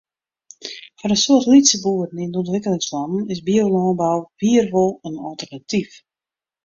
Foar in soad lytse boeren yn de ûntwikkelingslannen is biolânbou wier wol in alternatyf.